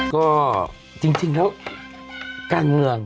ก็จริงแล้วการเมือง